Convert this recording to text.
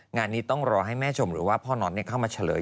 งานนี้ต้องรอให้แม่ชมหรือว่าพ่อน็อตเข้ามาเฉลย